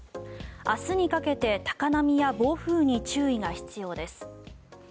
明日にかけて高波や暴風に注意が必要です。